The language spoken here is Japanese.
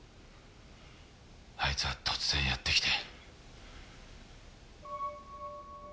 あいつは突然やって来て。